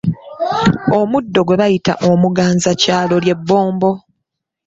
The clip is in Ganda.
Omuddo gwe bayita omuganzakyalo ly'ebbombo.